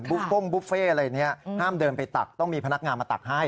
ฟงบุฟเฟ่อะไรเนี่ยห้ามเดินไปตักต้องมีพนักงานมาตักให้